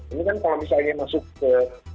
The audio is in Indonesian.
ini kan kalau misalnya masuk ke